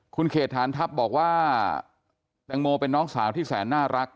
คุณเขตฐานทัพบอกว่าแตงโมเป็นน้องสาวที่แสนน่ารัก